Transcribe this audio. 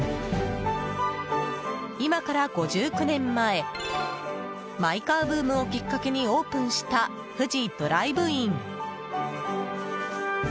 今から５９年前マイカーブームをきっかけにオープンした不二ドライブイン。